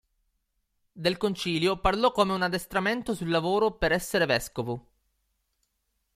Del Concilio parlò come un "addestramento sul lavoro per essere vescovo".